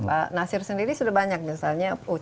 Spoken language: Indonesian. pak nasir sendiri sudah banyak misalnya